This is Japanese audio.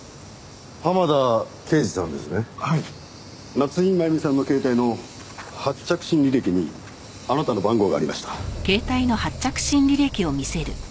夏井真弓さんの携帯の発着信履歴にあなたの番号がありました。